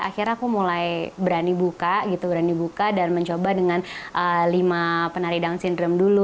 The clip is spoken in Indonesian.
akhirnya aku mulai berani buka gitu berani buka dan mencoba dengan lima penari down syndrome dulu